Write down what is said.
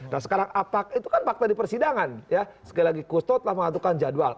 nah sekarang itu kan fakta di persidangan sekali lagi kusno telah mengatukan jadwal